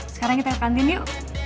sekarang kita ke kantin yuk